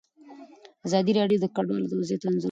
ازادي راډیو د کډوال وضعیت انځور کړی.